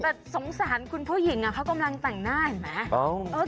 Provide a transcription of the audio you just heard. แต่สงสารคุณผู้หญิงเขากำลังแต่งหน้าเห็นไหม